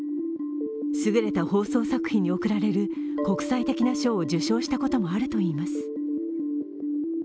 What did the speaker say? すぐれた放送作品に贈られる国際的な賞を受賞したこともあるといいます。